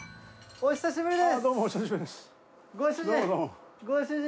お久しぶりです。